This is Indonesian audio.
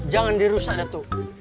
jangan dirusak datu